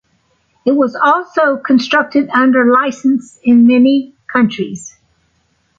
It was also constructed under licence in many countries.